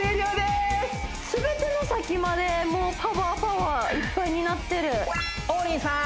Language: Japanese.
すべての先までもうパワーパワーいっぱいになってる王林さん